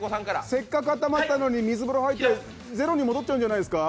せっかくあったまったのに水風呂入ってゼロに戻っちゃうんじゃないですか？